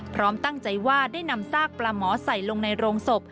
พร้อมตั้งใจว่าได้นำซากปลาหมอใส่ลงในโรงศพ